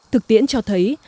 thực tiễn cho thấy